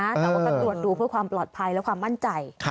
แต่ว่าก็ตรวจดูเพื่อความปลอดภัยและความมั่นใจ